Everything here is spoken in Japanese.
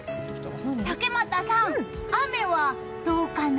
竹俣さん、雨はどうかな？